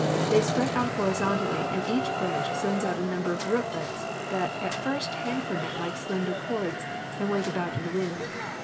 They spread out horizontally, and each branch sends out a number of rootlets that at first hang from it like slender cords and wave about in the wind.